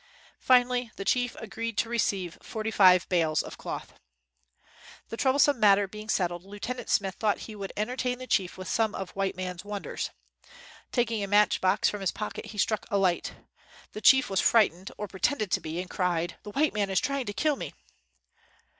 Finally the chief agreed to receive forty five bales of cloth. The troublesome matter being settled, Lieutenant Smith thought he would enter tain the chief with some of the white man's wonders. Taking a match box from his pocket, he struck a light. The chief was frightened, or pretended to be, and cried, "The white man is trying to kill me!"